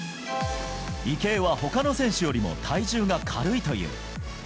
池江はほかの選手よりも体重が軽いという。